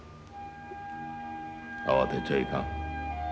あわてちゃいかん。